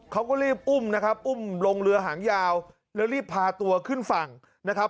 เขาก็รีบอุ้มนะครับอุ้มลงเรือหางยาวแล้วรีบพาตัวขึ้นฝั่งนะครับ